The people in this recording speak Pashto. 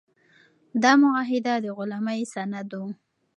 دا معاهده د غلامۍ سند و.